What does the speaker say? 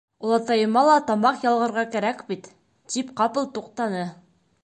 Олатайыма ла тамаҡ ялғарға кәрәк бит, тип ҡапыл туҡтаны.